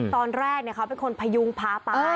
ตอนแรกเขาเป็นคนพยุงพาไป